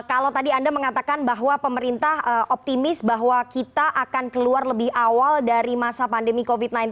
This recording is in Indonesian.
kalau tadi anda mengatakan bahwa pemerintah optimis bahwa kita akan keluar lebih awal dari masa pandemi covid sembilan belas